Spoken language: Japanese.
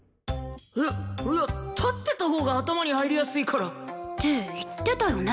いいや立ってたほうが頭に入りやすいから。って言ってたよね。